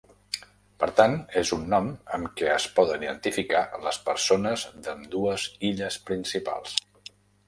Per tant, és un nom amb què es poden identificar les persones d'ambdues illes principals.